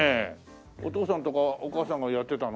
お父さんとかお母さんがやってたの？